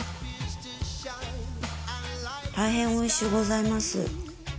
たいへんおいしゅうございます。